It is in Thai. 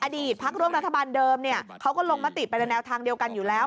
อดีตพักร่วมรัฐบาลเดิมเขาก็ลงมติไปในแนวทางเดียวกันอยู่แล้ว